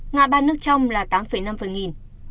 nga ban nước trong là tám năm phần nghìn